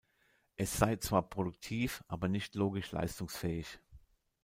Es sei zwar produktiv, aber nicht logisch leistungsfähig.